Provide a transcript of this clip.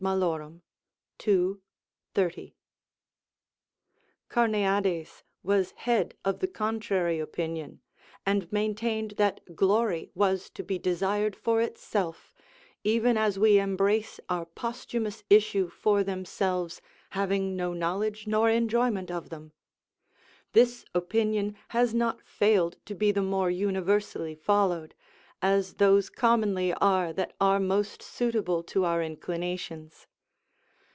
] Carneades was head of the contrary opinion, and maintained that glory was to be desired for itself, even as we embrace our posthumous issue for themselves, having no knowledge nor enjoyment of them. This opinion has not failed to be the more universally followed, as those commonly are that are most suitable to our inclinations.